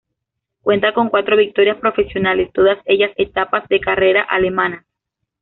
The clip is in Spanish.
Cuenta con cuatro victorias profesionales, todas ellas etapas de carreras alemanas.